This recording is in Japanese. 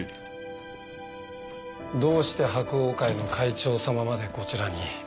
どうして柏桜会の会長さままでこちらに？